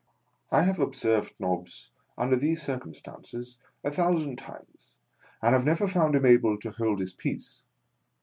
I have observed Nobbs under these circumstances, a thousand, times, and have never found him able to hold his peace.